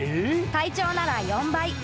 ［体長なら４倍］